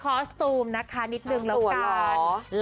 คอสตูมนะคะนิดนึงละกันหล่อ